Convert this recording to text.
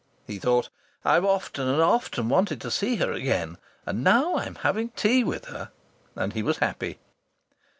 He thought: "I've often and often wanted to see her again. And now I'm having tea with her!" And he was happy.